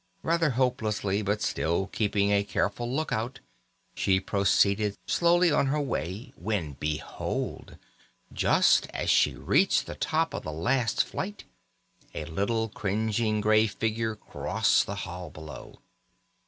Rather hopelessly, but still keeping a careful look out, she proceeded slowly on her way, when behold, just as she reached the top of the last flight, a little cringing grey figure crossed the hall below.